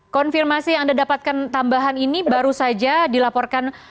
konfirmasi yang anda dapatkan tambahan ini baru saja dilaporkan